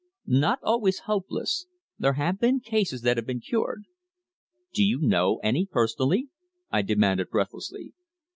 "Not always hopeless. There have been cases that have been cured." "Do you know any personally?" I demanded breathlessly.